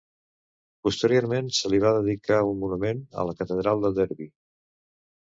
Posteriorment se li va dedicar un monument a la Catedral de Derby.